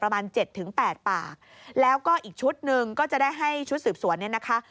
ประมาณเจ็ดถึงแปดปากแล้วก็อีกชุดหนึ่งก็จะได้ให้ชุดสืบสวนเนี่ยนะคะ